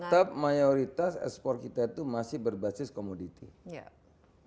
tetap mayoritas ekspor kita itu masih berbasis komoditi